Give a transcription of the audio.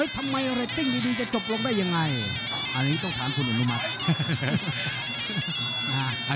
ทำไมเรตติ้งดีจะจบลงได้ยังไงอันนี้ต้องถามคุณอนุมัติ